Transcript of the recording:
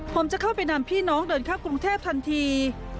ผมจะเข้าไปนำพี่น้องเดินเข้ากรุงเทพทันที